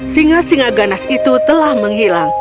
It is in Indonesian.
singa singa ganas itu telah menghilang